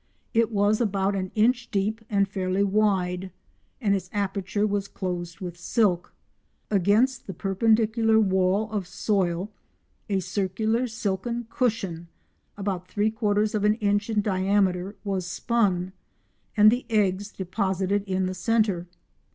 It was about an inch deep and fairly wide, and its aperture was closed with silk. Against the perpendicular wall of soil a circular silken cushion about three quarters of an inch in diameter was spun, and the eggs deposited in the centre.